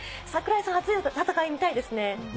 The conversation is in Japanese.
櫻井さん、熱い戦い、見たいですよね。